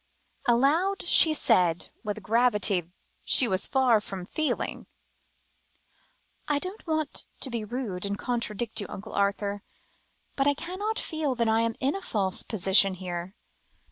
Aloud she said, with a gravity she was far from feeling "I don't want to be rude and contradict you, Uncle Arthur, but I cannot feel I am in a false position here.